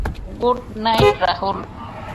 Good night Rahul.